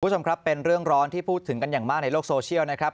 คุณผู้ชมครับเป็นเรื่องร้อนที่พูดถึงกันอย่างมากในโลกโซเชียลนะครับ